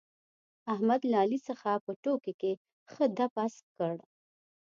احمد له علي څخه په ټوکو کې ښه دپ اسک کړ.